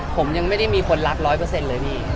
ผมไม่มีคนรัก๑๐๐เลย